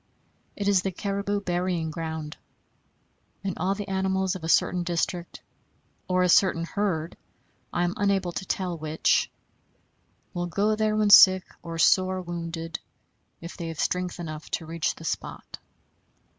It is the caribou burying ground; and all the animals of a certain district, or a certain herd (I am unable to tell which), will go there when sick or sore wounded, if they have strength enough to reach the spot.